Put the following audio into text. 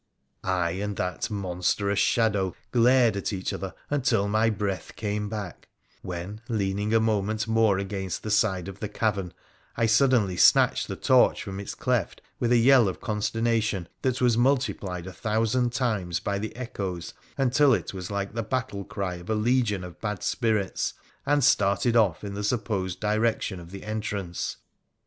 I and that monstrous shadow glared at each other until my breath came back, when, leaning a moment more against the side of the cavern, I suddenly snatched the torch from ita PHRA THE PHOENICIAN 31 cleft with a yell of consternation that was multiplied a thou sand times by the echoes until it was like the battle cry of a legion of bad spirits, and started off in the supposed direction of the entrance.